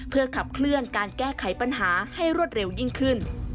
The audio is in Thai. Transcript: เพื่อขับเคลื่อนการแก้ไขปัญหาให้รวดเร็วยิ่งขึ้น